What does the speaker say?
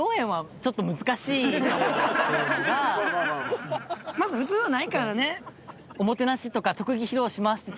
まず普通はないからね。